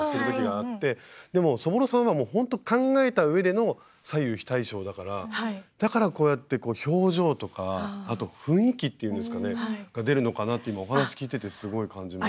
でもそぼろさんはもう本当考えたうえでの左右非対称だからだからこうやって表情とかあと雰囲気っていうんですかねが出るのかなって今お話聞いててすごい感じます。